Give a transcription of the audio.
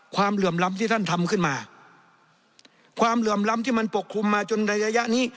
เหลื่อมล้ำที่ท่านทำขึ้นมาความเหลื่อมล้ำที่มันปกคลุมมาจนในระยะนี้